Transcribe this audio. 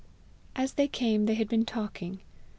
As they came, they had been talking.